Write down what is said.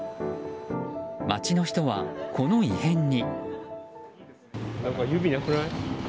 街の人は、この異変に。